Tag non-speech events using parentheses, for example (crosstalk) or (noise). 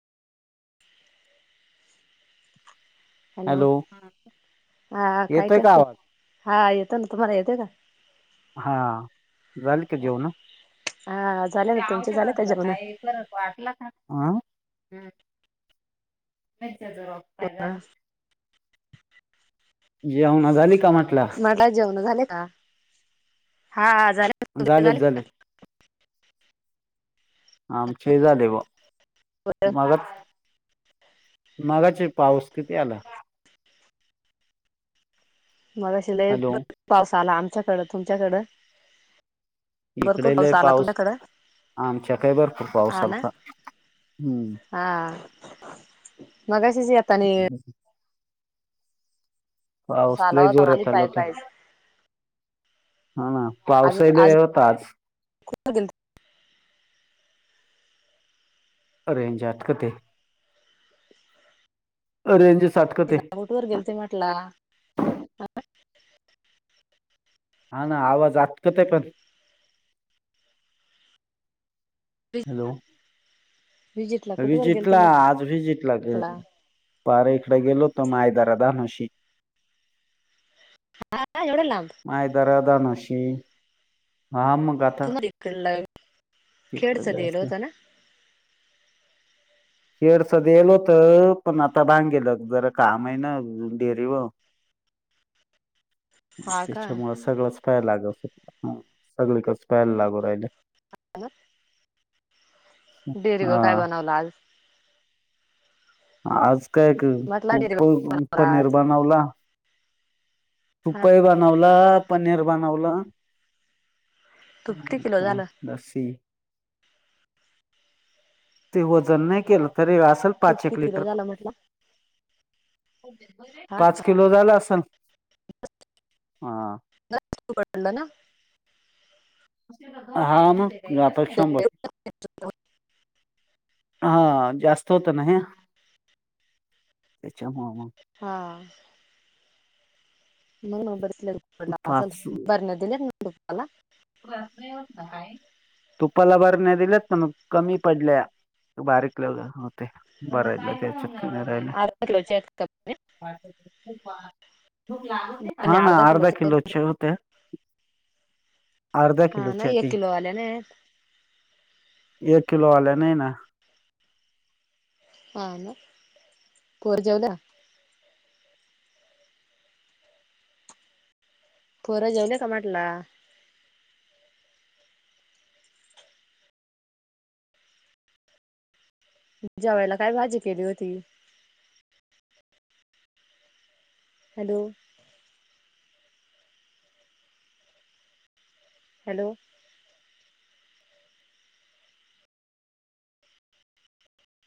Hello हा काय येतोय का करते आवाज हा येतो ना तुम्हाला येते का? हा झाल का जेवण हा झाले ना तुमचे झाले का जेवण वाटला का हा आहेच ह. जेवना झाली का म्हटलं मला जेवण झाले का हा झाले. ना. तुमचे झालेच झाले. आमचे झाले ब का? मग मगाचे पाऊस किती आला? मगाशी लय हॅलो पाऊस आला आमच्याकडं तुमच्याकडं. भरपूर इकडेले आला पाऊस तुमच्याकडं आमच्या काही भरपूर पाऊस हा ना आलता हम्म. हा मगाशी (unintelligible) पाऊस आला लय होता आणि जोरात आला पाय होता पायस. हा ना. आजूक पावसाही लय होता आज आजूक रेंज आटकते रेंजच अटकते तिला बोट वर गेलते म्हटला हा ना आवाज अटकतय पण हॅलो विजिटला कुठवर गेलते जितला आज भी जितला म्हटला कळत नाय इकडे गेलो होतो माय जरा धनुषी हा काय एवढ्या लांब मायदरा धानुशी हा मग आ (unintelligible) तिकडं खेडचं दिलं जास्त (unintelligible) थोडंसं गेलो होतो पण आता बांगेलं जरा काम आहे ना डेरीवर (unintelligible) मं हा का त्याच्यामुळे सगळंच पाहायला लागत हा सगळीकच पायला लागू राहिल. (unintelligible) डेरीवर हा काय बनवलं आज आज काय कर म्हटला तूप डेअरी चं पनीर आज बनवला. तूप ई बनवला पनीर बनवला तूप किती म किलो काय झालं लस्सी ते वजन नाय केलं तरी असेल तूप पाच किती एक किलो लिटर झालं म्हटलं हा पाच का किलो झाला असल हा पडलं ना हा म (unintelligible) हा जास्त होत ना हे त्याच्या मुळं मं हा नाय म बरच तूप पडला असल पाच बरन्या दिल्यात ना तुपाला तुपाला बरन्या दिल्यात पण कमी पडल्या बारीक लावल्या वर होते भरायला त्याच्या (unintelligible) हा ना अर्धा किलोचे होत्या. अर्धा हा किलो ना एक ती किलो आल्या नाही एक किलो आला नाय ना हां ना पर जाऊला परत जाईला का म्हटला जेवायला काय भाजी केली होती. Hello hello